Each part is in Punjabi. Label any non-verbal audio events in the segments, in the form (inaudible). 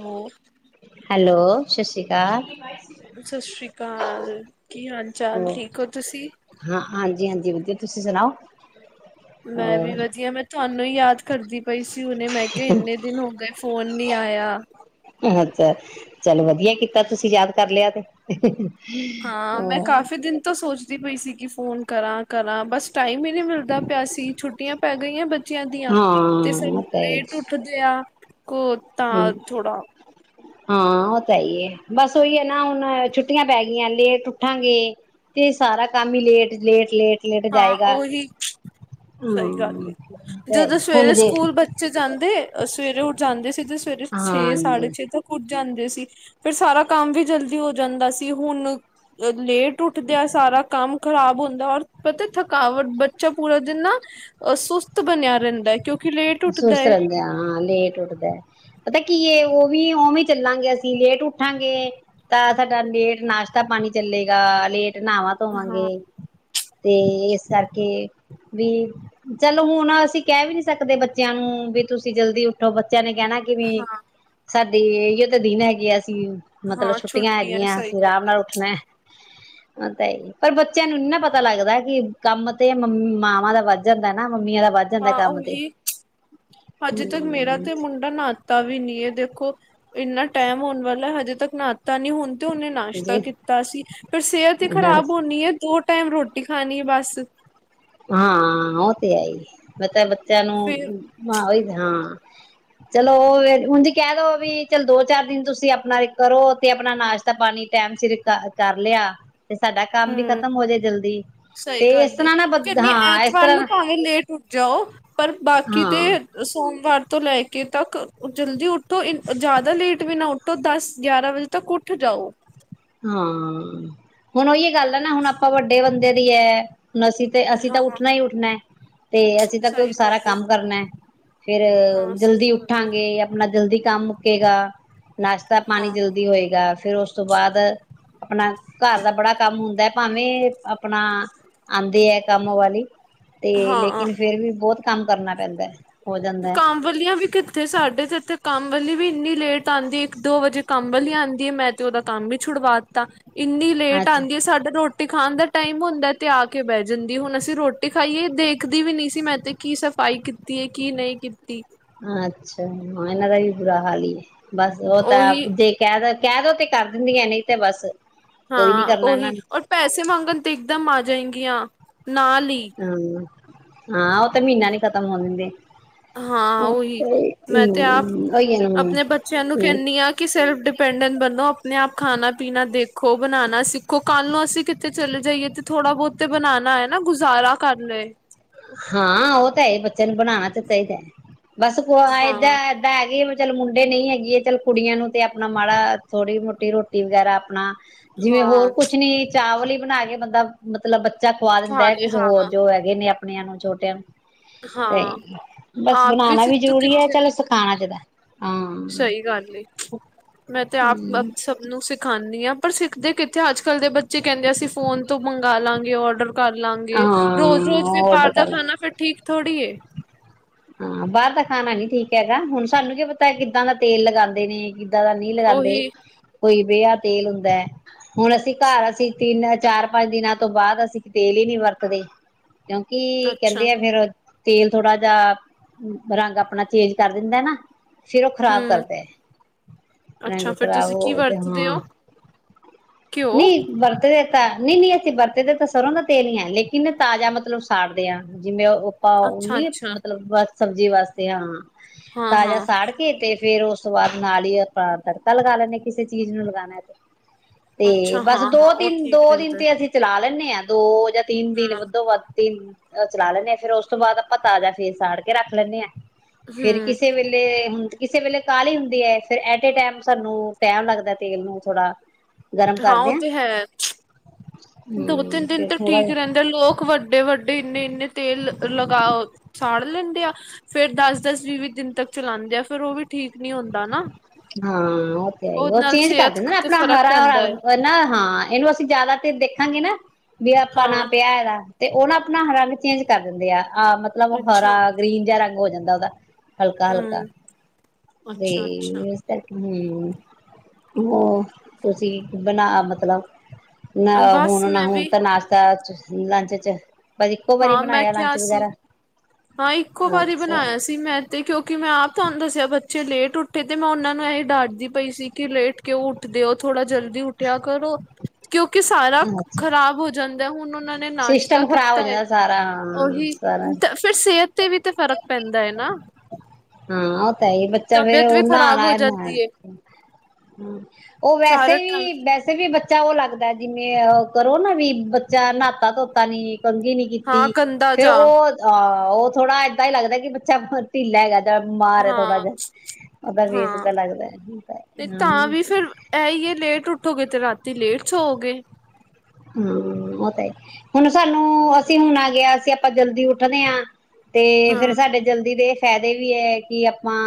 ਹੋ ਹੈਲੋ ਸਤਿ ਸ਼੍ਰੀ ਅਕਾਲ ਸਤਿ ਸ਼੍ਰੀ ਅਕਾਲ ਜੀ। ਘਾਰ ਕੀ ਹਾਲ ਚਾਲ ਠੀਕ ਹੋ ਤੁਸੀਂ। ਾਂ ਹਾਂਜੀ ਹਾਂਜੀ ਵਧੀਆ ਤੁਸੀਂ ਸੁਣਾਓ ਮੈਂ ਵੀ ਹੋਰ ਵਧੀਆ ਮੈਂ ਤੁਹਾਨੂੰ ਨੂੰ ਯਾਦ ਕਰਦੀ ਪਈ ਸੀ ਉਹਨੇ ਮੈਂ ਕਿਹਾ ਇੰਨੇ ਦਿਨ ਹੋ। ਗਏ ਫੋਨ ਨੀ ਆਇਆ ਅੱਛਾ ਚੱਲ ਵਧੀਆ ਕੀਤਾ ਤੁਸੀਂ ਯਾਦ ਕਰ ਲਿਆ ਤੇ ਹਾਂ ਮੈਂ ਹੋਰ ਕਾਫ਼ੀ ਦਿਨ ਤੋਂ ਸੋਚ ਪਈ ਸੀਗੀ ਫੋਨ ਕਰਾਂ ਕਰਾਂ ਬਸ ਟਾਈਮ ਹੀ ਨਹੀਂੀ ਮਿਲਦਾ ਪਿਆ ਸੀ ਛੁੱਟੀਆਂ ਪੈ ਗਈਆਂ ਬੱਚਿਆਂ ਦੀਆਂ ਹਾਂ ਤੇ ਸ ਉਹ ਤਾਂ ਹੈ ਲੇਟ ਉੱਠਦੇ ਆ। ਕੋ ਹਮ ਤਾਂ ਥੋੜਾ (inaudible) ਹਾਂ ਉਹ ਤਾਂ ਇ ਹੀ ਹੈ। ਬਸ ਉਹੀ ਹੈ ਨਾ ਹੁਣ ਛੁੱਟੀਆਂ ਪੈ ਗਈਆਂ ਲੇਟ ਉੱਠਾਂਗੇ ਤੇ ਸਾਰਾ ਕੰਮ ਹੀ ਲੇਟ ਲੇਟ ਲੇਟ ਲੇਟ ਹਾਂ ਜਾਏਗਾ ਉਹੀ ਸਹੀ ਗੱਲ ਹਾਂ ਤੇ ਜਦੋਂ ਹੁਣ ਸਵੇਰੇ ਜੇ ਸਕੂਲ ਬੱਚੇ ਜਾਂਦੇ ਸਵੇਰੇ ਉਠ ਜਾਂਦੇ ਸਿੱੇ ਸਵੇਰੇ ਛੇ ਸਾਢੇ ਹਾਂਜੀ ਛੇ ਤੱਕ ਉੱ ਜਾਂਦੇ ਸੀ ਫਿਰ ਸਾਰਾ ਕੰਮ ਵੀ ਜਲਦੀ ਹੋ। ਜਾਂਦਾ ਸੀ ਹੁਣ ਲੇਟ ਉੱਠਦੇਿਆਂ ਸਾਰਾ ਕੰਮ ਖ਼ਰਾਬ ਹੁੰਦਾ ਔਰ ਪਤਾ ਥਕਾਵਟ ਬੱਚਾ ਪੂਰਾ ਦਿਨ ਨਾ ਅਹ ਸੁਸਤ ਬਣਿਆ ਰਹਿੰਦਾ ਹੈ। ਕਿਉਂਕਿ ਲੇਟ ਉੱਠਦਾ ਸੁਸਤ ਏ। ਰਹਿਦੇ ਹਾਂ ਲਟ ਉਟਦੇ ਪਤਾ ਕੀਏ ਉਹ ਵੀ ਉਵੇਂ ਚੱਲਾਂਗੇ ਅਸੀਂ ਲੇਟ ਉੱਠਾਂਗੇ ਤਾਂ ਸਾਡਾ ਲੇਟ ਨਾਸ਼ਤਾ ਪਾਣੀ ਚੱਲੇਗਾ ਲੇਟ ਨਾਵਾਂ ਧੋਵਾਗੇ ਹਾਂ। ਤੇ ਇਸ ਕਰਕੇ ਵੀ ਚਲੋ ਹੁਣ ਅਸੀਂ ਕਹਿ ਵੀ ਨੀ ਸਕਦੇ ਬੱਚੇ ਬੱਚਿਆਂ ਨੂੰ ਵੀ ਤੁਸੀਂ ਜਲਦੀ ਉੱਠੋ ਬੱਚ ੱਚ ਨੇ ਕਹਿਣਾ ਕਿ ਵੀ ਹਾਂ ਸਾਡੀ ਇਹ ਤਾਂ ਦਿਨ ਹੈਗੇ ਆ ਅ ਮਤਲਬ ਹਾਂ ਛੁੱਟੀਆਂ ਹੈਗੀਆਂ ਸਹੀ ਅਸੀਂ ਆਰਾਮ ਗੱਲ ਏ ਨਾਲ ਉੱਠਣਾ ਤਾਂ ਹੀ ਪਰ ਬੱਚਿਆਂ ਨੂੰ ਇਨਾ ਪਤਾ ਲੱਗਦਾ ਕਿ ਕੰਮ ਤੇ ਮਾਵਾਂ ਦਾ ਵੱਜ ਜਾਂਦਾ ਨਾ ਮੰਮੀੀਆਂ ਦਾ ਵੱਧ ਜਾਂਦਾ ਕੰਮ ਤੇ ਅੱਜੇ ਤੱਕ ਮੇਰਾ ਹਮ ਤੇ ਮੁੰਡਾ ਨਾਹਾਤਾ ਵੀ ਨੀ ਇਹ ਦੇਖੋ ਇੰਨਾ ਟਾਈਮ ਹੋਣ ਵਾਲਾ ਹਜੇ ਤੱਕ ਨਾਤਾ ਨੀ ਹੁਣ ਤੇ ਉਹਨੇ ਨਾਸ਼ਤਾ ਜੀ ਕੀਤਾ ਸੀ ਪਰ ਸਿਹਤ ਹੀ ਖ਼ਰਾਬ ਹੋਣੀ ਹੈ ਦੋ ਟਾਈਮ ਰੋਟੀ ਖਾਣੀ ਹੈ ਬਸ ਹਾਂ ਉਹ ਤੇ ਹੈਈ ਪਤੈ ਬ ਤੈਨੂੰ ਫਿਰ ਹਾਂ ਓਹੀ ਹਾਂ ਚਲੋ ਹੁਣ ਜ ਕਹਿ ਦੋ ਵੀ ਚਲ ਦੋ ਚਾਰ ਦਿਨ ਤੁਸੀਂ ਆਪਣਾ ਏ ਕਰੋ ਤੇ ਆਪਣਾ ਨਾਸ਼ਤਾ ਪਾਣੀ ਟਾਈਮ ਸਿਰ ਕਰ ਲਿਆ ਤੇ ਸਾਡਾ ਕੰਮ ਵੀ ਹੂੰ ਖਤਮ ਹੋ ਜੇ ਜਲਦੀ ਤੇ ਇਸ ਤਰ੍ਹਾਂ ਨਾ ਨੀ ਹਾਂ ਇਸ ਐਤਵਾਰ ਨੂੰ ਤਰ੍ਹਾਂ ਭਾਵੇਂ ਲੇਟ ਉਟ ਜਾਓ ਪਰ ਬਾਕੀ ਤੇ ਹਾਂ ਸੋਮਵਾਰ ਤੋਂ ਲੈ ਕੇ ਤੱਕ ਜਲਦੀ ਉੱਠੋਇ ਜ਼ਿਆਦਾ ਲੇਟ ਵੀ ਨਾ ਉੱਠੋ ਦਸ ਗਿਆਰਾਂ ਵਜੇ ਤੱਕ ਉੱਠ ਜਾਓ ਹਾਂ ਹੁਣ ਉਹੀ ਗੱਲ ਨਾ ਹੁਣ ਆਪਾਂ ਵੱਡੇ ਬੰਦੇ (unintelligible) ਹੁਣ ਅਸੀਂ ਤੇ ਅਸੀਂ ਤਾਂ ਹਾਂ ਉੱਠਣਾ ਹੀ ਉੱਠਣਾ ਤੇ ਅਸੀਂ ਤਾ ਸਹੀ ਕਿਯੋਂਕਿ ਸਾਰਾ ਗੱਲ ਏ ਕੰਮ ਕਰਨਾ ਫੇਰ ਹਾਂ ਸਹੀ ਜਲਦੀ ਗੱਲ ਏ ਉੱਠਾਂਗੇ ਆਪਣਾ ਜਲਦੀ ਕੰਮ ਮੁਕੇੇਗਾ ਨਾਸ਼ਤਾ ਪਾਣੀ ਹਾਂ ਜਲਦੀ ਹੋਏਗਾ ਫੇਿਰ ਉਸ ਤੋਂ ਬਾਅਦ ਆਪਣਾ ਘਰ ਦਾ ਬੜਾ ਕੰਮ ਹੁੰਦੈ ਭਾਵੇਂ ਆਪਣਾ ਆਉਂਦੀ ਹੈ ਕੰਮ ਵਾਲੀ ਤੇ ਹਾਂ ਲੇਕਿਨ ਫੇਰ ਵੀ ਬਹੁਤ ਕੰਮ ਕਰਨਾ ਪੈਂਦੈ ਕਾਂਵਲੀਆਂ ਵੀ ਕਿੱਥੇ ਸਾਡੇ ਤੇ ਇੱਥੇ ਕੰਮ ਵਾਲੀ ਵੀ ਇੰਨੀ ਲੇਟ ਆਉਂਦੀ ਇੱਕ ਦੋ ਵਜੇ ਕੰਮ ਵਾਲੀ ਆਉਂਦੀਏ ਮੈਂ ਤੇ ਉਹਦਾ ਕੰਮ ਵੀ ਛੁਡਵਾ ਦਿੱਤਾ ਇੰਨੀ ਲੇਟ ਅੱਜ ਆਉਂਦੀ ਹੈ ਸਾਡੇ ਰੋਟੀ ਤੇ ਖਾਣ ਦਾ ਟਾਈਮ ਹੁੰਦਾ ਤੇ ਆ ਕੇ ਬਹਿ ਜਾਂਦੀ, ਹੁਣ ਅਸੀਂ ਰੋਟੀ ਖਾਈਏ ਦੇਖਦੀ ਵੀ ਨਹੀਂ ਸੀ, ਮੈਂ ਤੇ ਕੀ ਸਫ਼ਾਈ ਕੀਤੀ ਹੈ। ਕੀ ਨਹੀਂ ਕੀਤੀ। ਅੱਛਾ ਹਾਂ, ਇਹਨਾਂ ਦਾ ਵੀ ਬੁਰਾ ਹਾਲ ਹੀ ਹੈ। ਬਸ ਉਹ ਤਾਂ ਉਹੀ ਜੇ ਕਹਿਤਾ ਕਹਿ ਦੋ ਤੇ ਕਰ ਦਿੰਦੀਆਂ ਨਹੀਂ ਤੇ ਬਸ ਕੋਈ ਨੀ ਹਾਂ, ਕਰਨਾ ਇਹਨਾਂ ਉਹੀ ਨੇ ਔਰ ਪੈਸੇ ਮੰਗਣ ਤੇ ਇਕਦਮ ਆ ਜਾਏਗੀ। (unintelligible) ਨਾਲ ਈ ਹਾਂ ਹਾਂ ਤਾਂ ਮਹੀਨਾ ਨੀ ਖਤਮ ਹੋਣ ਦਿੰਦੇ। ਹਾਂ ਉਹੀ ਮੈਂ ਤੇ ਆਪ ਹਮ ਉਹੀ ਹੈ ਨਾ ਆਪਣੇ ਬੱਚਿਆਂ ਨੂੰ ਹਮ ਕਹਿੰਦੀ ਹਾਂ ਕਿ ਸੈਲਫ ਇਨਡੀਪੇਂਡਡ ਆਪਣੇ ਆਪ ਖਾਣਾ ਪੀਣਾ ਦੇਖੋ, ਬਣਾਉਣਾ ਸਿੱਖੋ, ਕੱਲ ਨੂੰ ਅਸੀਂ ਕਿਤੇ ਚਲੇ ਜਾਈਏ ਤੇ ਥੋੜਾ ਬਹੁਤ ਬਣਾਉਣਾ ਹੈ ਨਾ ਗੁਜ਼ਾਰਾ ਕਰ ਲਏ। ਹਾਂ ਉਹ ਤਾਂ ਇਹ ਬੱਚੇ ਨੂੰ ਬਣਾਣਾ ਤੇ ਚਾਹੀਦਾ। ਬਸ ਕੋ ਏਦ ਹਾਂ ਏਦਾਂ ਹੈਗੀ। ਚੱਲ ਮੁੰਡੇ ਨਹੀਂ ਹੈਗੀ ਏ, ਚੱਲ ਕੁੜੀਆਂ ਨੂੰ ਤੇ ਆਪਣਾ ਮਾੜਾ ਥੋੜ੍ਹੀ ਮੋਟੀ ਰੋਟੀ ਵਗੈਰਾ ਆਪਣਾ ਜਿਵੇਂ ਹੋਰ ਹਾਂ ਕੁਛ ਨੀ ਚਾਵਲ ਹੀ ਬਣਾ ਕੇ ਬੰਦਾ ਮਤਲਬ ਚਲ ਖਵਾ ਦਿੰਦਾ ਖਾ ਹੈ, ਲਏ ਕਿਸੇ ਹਾਂ ਹੋਰ ਜੋ ਹੈਗੇ ਨੇ ਆਪਣੀਆਂ ਨੂੰ ਛੋਟਿਆਂ ਨੂੰ ਤੇ ਹਾਂ ਬਸ ਆਪ ਬਣਾਉਣਾ ਵੀ ਤੂੰ ਜ਼ਰੂਰੀ ਹੈ, ਕਿੱਥੇ ਚਲੋ ਸਿਖਾਣਾ ਚਾਹੀਦਾ। ਹਮ ਸਹੀ ਗੱਲ ਏ, ਮੈਂ ਤੇ ਆਪ ਸਭ ਨੂੰ ਸਿਖਾਉਂਦੀ ਹਾਂ। ਪਰ ਸਿੱਖਦੇ ਕਿੱਥੇ, ਅੱਜ ਕੱਲ੍ਹ ਦੇ ਬੱਚੇ ਕਹਿੰਦੇ, ਅਸੀਂ ਫੋਨ ਤੋਂ ਮੰਗਾ ਲਵਾਂਗੇ ਔਡਰ ਕਰ ਲਾਂਗੇ ਰੋਜ਼ ਰੋਜ਼ ਹਾਂ ਵੀ ਔਡਰ ਬਾਹਰ ਦਾ ਕਰ ਲੈ ਖਾਣਾ ਫੇਰ ਠੀਕ ਥੋੜੀ ਏ। ਹਾਂ, ਬਾਹਰ ਦਾ ਖਾਣਾ ਨੀ ਠੀਕ ਹੈਗਾ, ਹੁਣ ਸਾਨੂੰ ਕੀ ਪਤਾ ਕਿੱਦਾਂ ਦਾ ਤੇਲ ਲਗਾਉਂਦੇ ਨੇ ਜਿਆਦਾ ਨਹੀਂ ਲਗਾਉਂਦੇ। ਉਹੀ ਕੋਈ ਬੇਹਾ ਤੇਲ ਹੁੰਦਾ ਹੈ, ਹੁਣ ਅਸੀਂ ਘਰ ਅਸੀਂ ਤਿੰਨ ਚਾਰ ਪੰਜ ਦਿਨਾਂ ਤੋਂ ਬਾਅਦ ਅਸੀਂ ਤੇਲ ਹੀ ਨਹੀਂ ਵਰਤਦੇ। ਕਿਉਂਕਿ ਅੱਛਾ, ਕਹਿੰਦੇ ਆ, ਫੇਰ ਤੇਲ ਥੋੜਾ ਜਿਹਾ ਰੰਗ ਆਪਣਾ ਚੇਂਜ ਕਰ ਦਿੰਦਾ ਨਾ। ਫੇਰ ਉਹ ਖ਼ਰਾਬ ਹੂੰ, ਕਰਦੇ, ਅੱਛਾ ਰੰਗ ਫਿਰ ਖ਼ਰਾਬ ਤੁਸੀਂ ਕੀ ਹੋ ਤੇ ਵਰਤਦੇ ਹਾਂ ਓ? ਘਿਓ, ਨਹੀਂ ਵਰਤਦੇ। ਤਾਂ ਨਹੀਂ ਨਹੀਂ ਅਸੀਂ ਵਰਤਦੇ ਤਾਂ ਸਰੋਂ ਦਾ ਤੇਲ ਹੀ ਹੈ, ਲੇਕਿਨ ਤਾਜ਼ਾ ਮਤਲਬ ਸਾੜਦੇ ਹਾਂ ਜਿਵੇਂ ਉਹ ਨਹੀਂ ਅੱਛਾ-ਅੱਛਾ, ਮਤਲਬ ਸਬਜ਼ੀ ਵਾਸਤੇ ਹਾਂ। ਤਾਜ਼ਾ ਹਾਂ-ਹਾਂ, ਸਾੜ ਕੇ ਤੇ ਫੇਰ ਉਸ ਤੋਂ ਬਾਅਦ ਨਾਲੀ ਆਪਾਂ ਤੜਕਾ ਲਗਾ ਲੈਂਦੇ ਕਿਸੇ ਚੀਜ਼ ਨੂੰ ਲਗਾਣਾ ਏ ਤੇ ਤੇ ਅੱਛਾ ਬਸ ਦੋ ਹਾਂ-ਹਾਂ ਉਹ ਤਿਨ ਦੋ ਠੀਕ ਦਿਨ ਰਹਿੰਦਾ। ਤੇ ਅਸੀਂ ਚਲਾ ਪਹੇ ਆਾਂ ਦੋ ਜਾਂ ਤਿੰਨ ਦਿਨ ਹਾਂ, ਵਜੋਂ ਵਧ ਵ ਤਿੰਨ ਉਹ ਚਲਾ ਲੈਂਦੇ ਹਾ ਫੇਰ ਉਸ ਤੋਂ ਬਾਅਦ ਆਪਾਂ ਤਾਜ਼ਾ ਫੇਰ ਸਾੜ ਕੇ ਕੇ ਰੱਖ ਲੈਂਦੇ ਹਾਂ। ਫੇਰ ਹੂੰ, ਕਿਸੇ ਵੇਲੇ ਹੁਣ- ਕਿਸੇ ਵੇਲੇ ਕਾਹਲੀ ਹੁੰਦੀ ਹੈ ਫਿਰ ਐਟ ਏ ਟਾਈਮ ਸਾਨੂੰ ਟੈਮ ਲੱਗਦਾ ਤੇਲ ਨੂੰ ਥੋੜਾ ਗਰਮ ਹਾਂ ਕਰਦੇ ਉਹ ਤੇ ਹੈ। ਦੋ ਹੂੰ ਤਿੰਨ ਦਿਨ ਫਿਰ ਤਾਂ ਥੋੜਾ ਠੀਕ ਜਿਹਾ ਰਹਿੰਦੇ ਲੋਕ ਵੱਡੇ-ਵੱਡੇ ਇੰਨੇ-ਇੰਨੇ ਤੇਲ ਲਗਾ ਸਾੜ ਲੈਂਦੇ ਆ ਫੇਰ ਦਸ-ਦਸ ਵੀਹ-ਵੀਹ ਦਿਨ ਤੱਕ ਚਲਾਦੇ ਆ ਫੇਰ ਉਹ ਵੀ ਠੀਕ ਨੀ ਹੁੰਦਾ ਨਾ। ਹਾਂ ਉਹ ਤੇ ਹੈ ਉਹਦੇ ਉਹ ਨਾਲ ਚੇਂਜ ਕਰ ਸਿਹਤ ਦਿੰਦੇ ਨਾ ਤੇ ਆਪਣਾ ਫ਼ਰਕ ਪੈਂਦਾ ਏ, ਹਰਾ-ਹਰਾ ਨਾ ਹਾਂ ਇਹਨੂੰ ਅਸੀਂ ਜ਼ਿਆਦਾ ਤੇ ਦੇ ਹਾਂਜੀ ਨਾ- ਵੀ ਆਪਾਂ ਨਾ ਹਾਂ, ਪਿਆ ਇਹਦਾ ਤੇ ਉਹ ਨਾ ਆਪਣਾ ਰੰਗ ਚੇਂਜ ਕਰ ਦਿੰਦੇ ਆ। ਆਹ ਮਤਲਬ ਹਰਾ ਅੱਛਾ। ਗ੍ਰੀਨ ਜਿਹਾ ਰੰਗ ਹੋ ਜਾਂਦਾ ਉਹਦਾ ਹਲਕਾ-ਹਲਕਾ ਹੂੰ, ਤੇ ਅੱਛਾ-ਅੱਛਾ, ਏਸ ਕਰਕੇ ਹੂੰ ਹੂੰ ਤੁਸੀਂ ਬਣਾ ਮਤਲਬ ਨਾ ਬਸ ਹੁਣ ਨਾ ਮੈਂ ਹੁਣ ਵੀ ਤਾਂ ਨਾਸ਼ਤਾ- ਲੰਚ ਚ- ਬਸ ਇੱਕੋ ਵਾਰੀ ਹਾਂ ਮੈਂ ਬਣਾਇਆ ਲੰਚ ਕਿਹਾ ਸੀ ਵਗੈਰਾ। ਹਾਂ ਇੱਕੋ ਵਾਰੀ ਅੱਛਾ ਬਣਾਇਆ ਸੀ ਮੈਂ ਤੇ ਕਿਉਂਕਿ ਮੈਂ ਆਪ ਤੁਹਾਨੂੰ ਦੱਸਿਆ ਬੱਚੇ ਲੇਟ ਉੱਠੇ ਤੇ ਮੈਂ ਉਹਨਾਂ ਨੂੰ ਇਹ ਡਾਂਟਦੀ ਪਈ ਸੀ ਕਿ ਲੇਟ ਕਿਉਂ ਉੱਠਦੇ ਹੋ ਥੋੜਾ ਜਲਦੀ ਉੱਠਿਆ ਕਰੋ ਕਿਉਂਕਿ ਸਾਰਾ ਅੱਛਾ ਖ਼ਰਾਬ ਹੋ ਜਾਂਦਾ। ਦਾ ਹੁਣ ਉਹਨਾਂ ਨੇ ਨਾਸ਼ਤਾ ਸਿਸਟਮ ਖਰਾਬ ਹੋ ਕੀਤਾ ਹੈ। ਜਾਂਦਾ ਸਾਰਾ ਹਾਂ ਉਹੀ ਸਾਰਾ ਫਿਰ ਸਿਹਤ ਤੇ ਵੀ ਤੇ ਫ਼ਰਕ ਪੈਂਦਾ ਹੈ ਨਾ ਹਾਂ ਇਹ ਤੇ ਹੈ ਹੀ ਬੱਚਾ ਫੇਰ ਤਬੀਅਤ ਉਹ ਵੀ ਖ਼ਰਾਬ ਹੋ ਨਹਾਣਾ ਨ ਹ ਜਾਂਦੀ ਹੈ ਉਹ ਵੈਸੇ ਸਾਰਾ ਟਾਈਮ ਵੀ ਵੈਸੇ ਵੀ ਬੱਚੇ ਬੱਚਾ ਉਹ ਲੱਗਦਾ ਜਿਵੇਂ ਕਰੋ ਨਾ ਵੀ ਬੱਚਾ ਨਹਾਤਾ ਧੋਤਾ ਨੀ ਕੰਗੀ ਨਹੀਂ ਹਾਂ ਕੀਤੀ ਗੰਦਾ ਫੇਰ ਜਾ ਉਹ ਅਹ ਉਹ ਥੋੜਾ ਏਦਾਂ ਹੀ ਲਗਦਾ ਬੱਚਾ ਢਿੱਲਾ ਹੈਗਾ। ਜਾਂ ਬਿਮਾਰ ਹੈ ਥੋੜਾ ਹਾਂ ਜਿਹਾ ਉਹਦਾ ਫੇਸ ਹਾਂ ਏਦਾਂ ਲੱਗਦਾ ਤੇ ਤਾਂ ਹਮ ਵੀ ਫਿਰ ਇਹ ਹੀ ਹੈ ਲੇਟ ਉੱਠੋਗੇ ਤੇ ਰਾਤੀ ਤੇ ਲੇਟ ਸੋਵੋ ਗੇ ਹਾਂ ਉਹ ਤਾਂ ਹੁਣ ਸਾਨੂੰ ਅਸੀਂ ਹੁਣ ਆ ਗਿਆ ਅਸੀਂ ਆਪਾਂ ਜਲਦੀ ਉੱਠਦੇ ਹਾਂ ਤੇ ਹਾਂ ਫੇਿਰ ਸਾਡੇ ਜਲਦੀ ਦੇ ਫਾਇਦੇ ਵੀ ਹੈ ਕਿ ਆਪਾਂ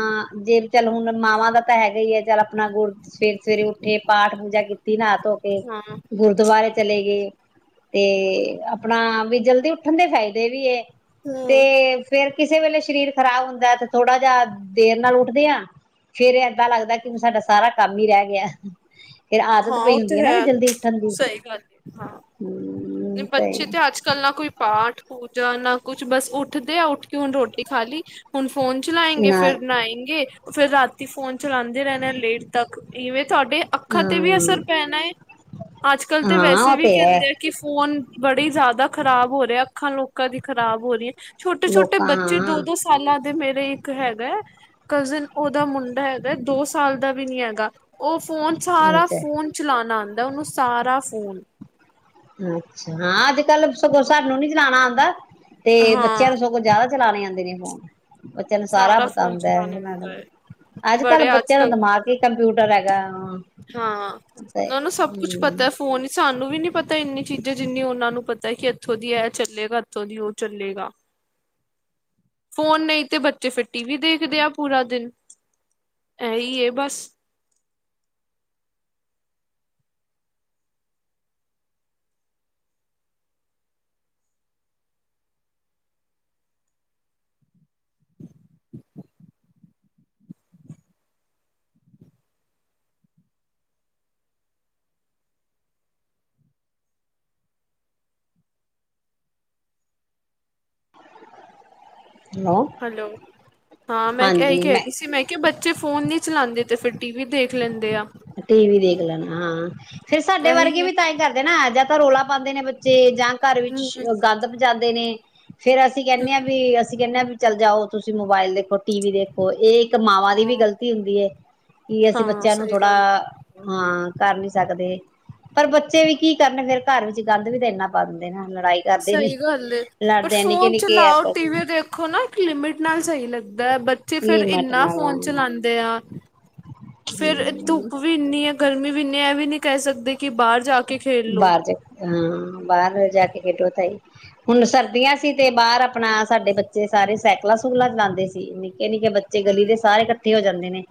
ਜੇ ਚੱਲ ਹੁਣ ਮਾਵਾਂ ਦਾ ਤਾਂ ਹੈਗਾ ਆਪਣਾ ਗੁੜ ਸਵੇਰੇ ਸਵੇਰੇ ਉੱਠੇ ਪਾਠ ਪੂਜਾ ਕੀਤੀ ਨਾ ਕੇ ਹਾਂ ਗੁਰਦੁਆਰੇ ਤੇ ਆਪਣਾ ਵੀ ਜਲਦੀ ਉੱਠਣ ਦੇ ਫ਼ਾਇਦੇ ਵੀ ਏ ਤੇ ਹੂੰ। ਫੇਿਰ ਕਿਸੇ ਵੇਲੇ ਸਰੀਰ ਖ਼ਰਾਬ ਹੁੰਦਾ ਹੈ ਤੇ ਥੋੜਾ ਜਿਹਾ ਦੇਰ ਨਾਲ ਉੱਠਦੇ ਆ ਫੇਰ ਏਦਾਂ ਲੱਗਦਾ ਕਿ ਸਾਡਾ ਸਾਰਾ ਕੰਮ ਹੀ ਰਹਿ ਗਿਆ ਫੇਿਰ ਆਦਤ ਹਾਂ ਪਈ ਉਹ ਹੁੰਦੀ ਹੈ ਤੇ ਨਾ ਵੀ ਜਲਦੀ ਉੱਠਣ ਦੀ ਸਹੀ ਗੱਲ ਏ ਹਾਂ। ਹਮ ਬੱਚੇ ਸਹੀ ਤੇ ਅੱਜ ਕੱਲ੍ਹ ਨਾ ਕੋਈ ਪਾਠ ਪੂ ਜਾਂ ਨਾ ਕੁੱਛ ਬਸ ਉੱਠਦੇ ਆ ਉੱਠ ਕੇ ਹੁਣ ਰੋਟੀ ਖਾ ਲਈ ਹੁਣ ਫੋਨ ਚਲਾਏਂ ਗੇ ਨਾ ਫਿਰ ਨਹਾਏਗੇ ਫੇਿਰ ਰਾਤੀ ਫੋਨ ਚਲਾਉਂਦੇ ਰਹਿੰਦੇ ਆ ਲੇਟ ਤੱਕ ਇਵੇਂ ਤੁਹਾਡੇ ਅੱਖਾਂ ਤੇ ਵੀ ਅਸਰ ਹਮ ਪੈਣਾ ਹੈ ਅੱਜ ਕੱਲ ਤੇ ਹਾਂ ਵੈਸੇ ਉਹ ਵੀ ਤੇ ਹੈ ਕਹਿੰਦੇ ਆ ਕਿ ਬੜੀ ਜਿਆਦਾ ਖ਼ਰਾਬ ਹੋ ਰਿਹਾ ਅੱਖਾਂ ਲੋਕਾਂ ਦੀ ਖ਼ਰਾਬ ਹੋ ਰਹੀ ਹੈ ਛੋਟੇ ਛੋਟੇ ਲੋਕਾਂ ਬੱਚੇ ਹਾਂ ਦੋ ਦੋ ਸਾਲਾਂ ਦੇ ਮੇਰੇ ਹੈਗਾ ਕਜ਼ਨ ਉਹਦਾ ਮੁੰਡਾ ਹੈਗਾ ਦੋ ਸਾਲ ਦਾ ਵੀ ਨੀ ਹੈਗਾ ਉਹ ਫੋਨ ਸਾਰਾ ਅੱਛਾ ਫੋਨ ਚਲਾਉਣਾ ਆਉਂਦਾ ਉਹਨੂੰ ਸਾਰਾ ਫੋਨ ਫੋਨ ਅੱਛਾ ਹਾਂ ਅੱਜ ਕੱਲ ਸਗੋਂ ਸਾਨੂੰ ਨੀ ਚਲਾਣਾ ਆਉਂਦਾ ਤੇ ਬੱਚਿਆਂ ਹਾਂ ਨੂੰ ਸਗੋਂ ਜ਼ਿਆਦਾ ਚਲਾ ਲਈ ਆ ਜਾਂਦੇ ਨੇ ਫੋਨ ਬੱਚਿਆਂ ਨੂੰ ਸਾਰਾ ਫੋਨ ਪਤਾਉਂਦਾ ਚਲਾਉਣਾ ਇਹਨਾਂ ਆਉਂਦਾ ਨੂੰ ਹੈ ਅੱਜ ਬੜੇ ਕੱਲ੍ਹ ਬੱਚਿਆਂ ਨੂੰ ਕੱਲ ਦਿਮਾਗ ਕੰਪਿਊਟਰ ਹੈਗਾ ਹਾਂ, ਤੇ ਉਨਾਂ ਨੂੰ ਸਭ ਕੁਛ ਹਮ ਪਤੈ ਫੋਨ ਸਾਨੂੰ ਵੀ ਨੀ ਪਤੈ ਇੰਨੀ ਚੀਜ਼ਾਂ ਜਿੰਨੀ ਔਨਾਂ ਨੂੰ ਪਤੈ ਕਿ ਐਥੋਂ ਦੀ ਐ ਚੱਲੇਗਾ ਐਥੋ ਦੀ ਔ ਚੱਲੇਗਾ। ਫੋਨ ਨਹੀਂ ਤੇ ਬੱਚੇ ਫਿਰ ਟੀ ਵੀ ਦੇਖਦੇ ਆ ਪੂਰਾ ਦਿਨ ਐਹੀ ਏ ਬਸ। ਹੈਲੋ ਹਾਂ ਮੈਂ ਇਹੀ ਕਹਿ ਰਹੀ ਸੀ ਮੈਂ ਕਿਹਾ ਬੱਚੇ ਫੋਨ ਨਹੀਂ ਚਲਾਉਂਦੇ ਤੇ ਫਿਰ ਟੀ ਵੀ ਦੇਖ ਲੈਂਦੇ ਆ ਟੀ ਵੀ ਦੇਖ ਲੈਣਾ ਹਾਂ ਫੇਿਰ ਸਾਡੇ ਵਰਗੇ ਇਹੀ ਹੈ ਵੀ ਤਾਂ ਇਹ ਕਰਦੇ ਨਾ ਤਾਂ ਰੋੌਲਾ ਪਾਉਂਦੇ ਨੇ ਬੱਚੇ ਜਾਂ ਘਰ ਵਿੱਚ ਹਮ ਗੰਦ ਬਜਾਦੇ ਨੇ ਫੇਰ ਅਸੀਂ ਕਹਿੰਦੇ ਹਾਂ ਵੀ ਸੀਂ ਕਹਿੰਦੇ ਵੀ ਚੱਲ ਜਾਓ ਤੁਸੀਂ ਮੋਬਾਇਲ ਦੇਖੋ ਟੀ ਵੀ ਦੇਖੋ ਇਹ ਤਾਂ ਮਾਵਾਂ ਦੀ ਹਾਂ ਵੀ ਗਲਤੀ ਹੁੰਦੀ ਹੈ। ਕਿ ਅਸੀਂ ਹਾਂ ਬੱਚਿਆਂ ਨੂੰ ਸਹੀ ਥੋੜਾ ਗੱਲ (unintelligible) ਹਾਂ ਕਰ ਨੀ ਸਕਦੇ ਪਰ ਬੱਚੇ ਵੀ ਕੀ ਕਰਨ ਫੇਰ ਘਰ ਵਿੱਚ ਗੰਦ ਵੀ ਤੇ ਇਨਾ ਪਾ ਦਿੰਦੇ ਨੇ ਲੜਾਈ ਕਰਦੇ ਸਹੀ ਗੱਲ ਪਰ ਲੜਦੇ ਨਿੱਕੇ ਫੋਨ ਨਿੱਕੇ ਚਲਾਓ ਆਪਸ ਟੀ ਵੀ ਦੇਖੋ ਨਾ ਲਿਮਿਟ ਨਾਲ ਸਹੀ ਲੱਗਦਾ ਹੈ। ਬੱਚੇ ਫਰ ਲਿਮਟ ਇੰਨਾ ਨਾਲ ਫੋਨ ਚਲਾਉਂਦੇ ਆ ਫੇਰ ਹਮ ਧੁੱਪ ਵੀ ਇੰਨੀ ਆ ਗਰਮੀ ਵੀਨੇ ਇਹ ਵੀ ਨਹੀਂ ਕਹਿ ਸਕਦੇ ਕਿ ਬਾਹਰ ਜਾ ਕੇ ਖੇਲ ਲੋ ਬਾਹਰ ਜਾ ਹਾਂ। ਬਾਹਰ ਜਾ ਕੇ (unintelligible) ਤਾਈ ਹੁਣ ਸਰਦੀਆਂ ਸੀ ਤੇ ਬਾਹਰ ਆਪਣਾ ਸਾਡੇ ਬੱਚੇ ਸਾਰੇ ਸਾਈਕਲਾਂ ਸੁਕਲਾਂ ਚਲਾਉਂਦੇ ਸੀ ਨਿੱਕੇ ਨਿੱਕੇ ਬੱਚੇ ਗਲੀ ਦੇ ਸਾਰੇ ਇਕੱਠੇ ਹੋ ਜਾਂਦੇ ਨੇ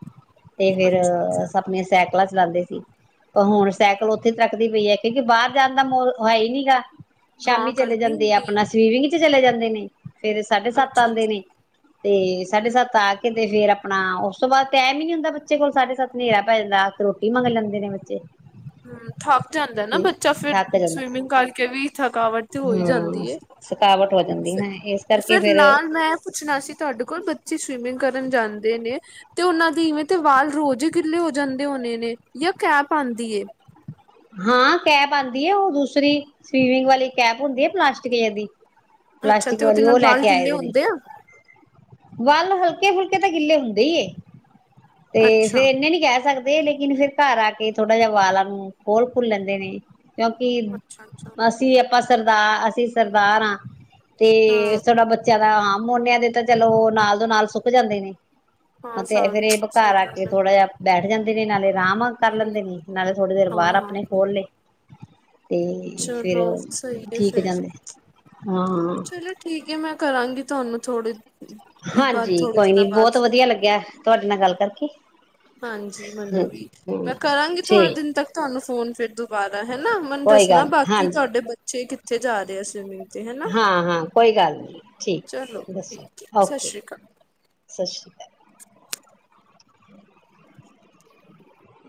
ਤੇ ਫੇਰ ਅੱਛਾ ਅੱਛਾ ਸਪਣੇੇ ਸੈ ਚਲਾਉਂਦੇ ਸੀ ਪਰ ਹੁਣ ਸਾਈਕਲ ਉੱਥੇ ਤਰੱਕਦੀ ਪਈ ਹੈ। ਕਿਉਂਕਿ ਬਾਹਰ ਜਾਣ ਦਾ ਮਾਹੌਲ ਹੀ ਨਹੀ ਗਾ। ਹਾਂ ਸ਼ਾਮੀ ਚਲੇ ਗਰਮੀ ਜਾਂਦੇ ਆ ਇੰਨੀ ਆਪਣਾ ਹੈ ਸਵੀਮਿੰਗ ਚਲੇ ਜਾਂਦੇ ਨੇ ਫੇਰ ਸਾਢੇ ਸੱਤ ਅੱਛਾ ਆਉਂਦੇ ਅੱਛਾ ਨੇ ਤੇ ਸਾਢੇ ਸੱਤ ਆ ਕੇ ਤੇ ਫੇਰ ਆਪਣਾ ਉਸ ਤੋਂ ਬਾਅਦ ਟਾਈਮ ਹੀ ਨੀ ਹੁੰਦਾ ਬੱਚੇ ਕੋਲ ਸਾਢੇ ਸੱਤ ਹਨੇਰਾ ਪੈ ਜਾਂਦਾ ਰੋਟੀ ਮੰਗ ਲੈਂਦੇ ਨੇ ਬੱਚੇ ਹਮ (unintelligible) ਜਾਂਦਾ ਨਾ ਤੇ ਬੱਚਾ ਫੇਿਰ ਥੱਕ ਜਾਂਦਾ ਸਵੀਮਿੰਗ ਕਰਕੇ ਵੀ ਥਕਾਵਟ ਤੇ ਹੋਈ ਹੂੰ ਜਾਂਦੀ ਹੈ। ਥਕਾਵਟ ਹੋ ਜਾਂਦੀ ਨਾ ਇਸ ਕਰਕੇ ਫਿਰ ਫੇਰ ਨਾਲ ਮੈਂ ਪੁੱਛਣਾ ਸੀ ਤੁਹਾਡੇ ਕੋਲ ਸਵਿਮਿੰਗ ਕਰਨ ਜਾਂਦੇ ਨੇ ਤੇ ਉਹਨਾਂ ਦੀ ਇਵੇਂ ਤੇ ਵਾਲ ਰੋਜ਼ ਹੀ ਗਿੱਲੇ ਹੋ ਜਾਂਦੇ ਹੋਣੇ ਨੇ ਜਾਂ ਕੈਪ ਆਉਂਦੀ ਹਾਂ ਕੈਪ ਆਉਂਦੀ ਹੈ ਉਹ ਦੂਸਰੀ ਸਵੀਮਿੰਗ ਵਾਲੀ ਕੈਪ ਹੁੰਦੀ ਹੈ ਪਲਾਸਟਿਕ ਦੀ ਅੱਛਾ ਪਲਾਸਟਿਕ ਤੇ ਉਹਦੇ ਵਾਲੀ ਨਾਲ ਉਹ ਲੈ ਵਾਲ ਕੇ ਆਏ ਗਿੱਲੇ ਦੇ ਨੇ ਹੁੰਦੇ ਆ ਵੱਲ ਹਲਕੇ ਫੁਲਕੇ ਤਾਂ ਗਿੱਲੇ ਹੁੰਦੇ ਹੀ ਤੇ ਅੱਛਾ, ਫੇਿਰ ਇਨੇ ਨੀ ਕਹਿ ਸਕਦੇ ਲੇਕਿਨ ਫਿਰ ਘਰ ਆ ਕੇ ਥੋੜਾ ਜਿਹਾ ਵਾਲਾਂ ਨੂੰ ਕੋਲ ਭੁੱਲਣਦੇ ਨੇ ਕਿਉਂਕਿ, ਅੱਛਾ-ਅੱਛਾ ਅਸੀਂ ਆਪਾਂ ਸਰਦਾਰ ਅਸੀਂ ਸਰਦਾਰ ਹਾਂ ਤੇ ਹਾਂ। ਸਾਡਾ ਬੱਚਾ ਹਾਂ, ਮੋਨਿਆਂ ਦੇ ਤਾਂ ਚਲੋ ਨਾਲ ਦ ਨਾਲ ਸੁੱਕ ਜਾਂਦੇ ਨੇ ਹਾਂ ਤੇ ਫੇਰ, ਸਾਨ ਇਹ ਸਹੀ ਕੇ ਗੱਲ ਏ ਥੋੜਾ ਜਿਹਾ ਬੈਠ ਨੇ ਨਾਲੇ ਅਰਾਮ ਨਾਲ ਕਰ ਲੈਂਦੇ ਨੇ, ਨਾਲ ਥੋੜਾ ਜਿਹਾ ਵਾਲ ਹਾਂ-ਹਾਂ ਆਪਣੇ ਖੋਲ ਲਏ ਤੇ ਫਿਰ ਚਲੋ ਸਹੀ ਹੈ ਠੀਕ ਫੇਰ, ਜਾਂਦੇ ਹਾਂ ਚਲੋ ਠੀਕ ਹੈ, ਮੈਂ ਕਰਾਂਗੀ ਤੁਹਾਨੂੰ ਥੋੜੀ ਹਾਂਜੀ, ਕੋਈ ਨੀ ਬਹੁਤ ਵਧੀਆ ਲੱਗਿਆ ਤੁਹਾਡੇ ਨਾਲ ਗੱਲ ਕਰਕੇ ਹਾਂਜੀ। ਮੈਨੂੰ ਹੂੰ ਵੀ ਹੂੰ ਮੈਂ ਕਰਾਂਗੀ ਥੋੜੇ ਠੀਕ ਦਿਨ ਤੱਕ ਤੁਹਾਨੂੰ ਫੋਨ ਫਿਰ ਦੁਬਾਰਾ ਹੈ ਨਾ, ਮੈਨੂੰ ਕੋਈ ਦੱਸਣਾ ਗੱਲ ਨੀ ਬਾਕੀ ਹਾਂਜੀ ਤੁਹਾਡੇ ਬੱਚੇ ਫੇਰ ਕਰਾ ਦਿੳ ਸਵਿਮਿੰਗ ਤੇ ਹਨਾ ਹਾਂ, ਹਾਂ ਕੋਈ ਗੱਲ ਨੀ, ਠੀਕ ਚਲੋ ਹੈ। ਦੱਸੋ ਠੀਕ ਹੈ ਸਤਿ ਓਕੇ ਸ਼੍ਰੀ ਅਕਾਲ ਸਤਿ ਸ਼੍ਰੀ ਅਕਾਲ।